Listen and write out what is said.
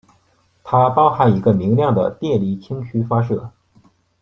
它包含一个明亮的电离氢区发射。